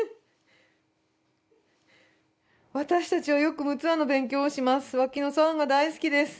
「私たちはよくむつ湾の勉強をします」「脇野沢が大好きです」